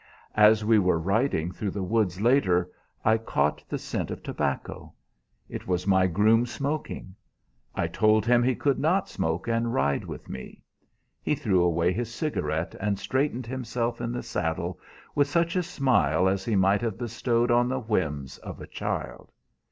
As we were riding through the woods later, I caught the scent of tobacco. It was my groom smoking. I told him he could not smoke and ride with me. He threw away his cigarette and straightened himself in the saddle with such a smile as he might have bestowed on the whims of a child.